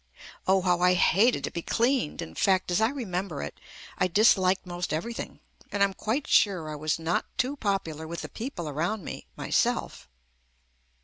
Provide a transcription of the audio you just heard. Oh how I hated to be cleaned! In fact as I remember it, I disliked most everything, and I am quite sure I was not too popular with the people around me myself.